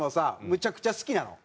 めちゃくちゃ好きなの？